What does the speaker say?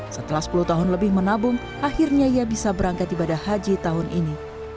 setelah sepuluh tahun lebih menabung akhirnya ia bisa berangkat ibadah haji tahun ini